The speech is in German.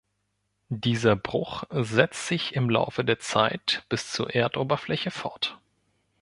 Dieser Bruch setzt sich im Laufe der Zeit bis zur Erdoberfläche fort.